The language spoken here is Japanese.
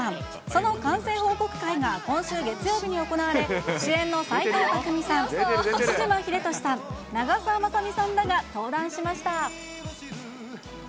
その完成報告会が今週月曜日に行われ、主演の斎藤工さん、西島秀俊さん、長澤まさみさんらが登壇しました。